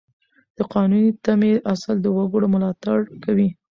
د قانوني تمې اصل د وګړو ملاتړ کوي.